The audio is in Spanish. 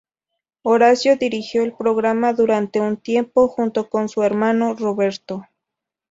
Horacio dirigió el programa durante un tiempo, junto con su hermano Roberto.